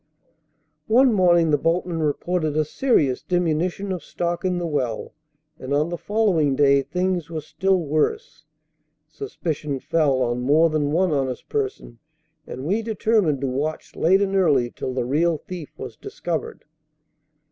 One morning the boatman reported a serious diminution of stock in the well, and on the following day things were still worse. Suspicion fell on more than one honest person, and we determined to watch late and early till the real thief was discovered.